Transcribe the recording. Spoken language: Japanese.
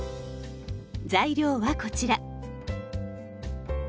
材料はこちら。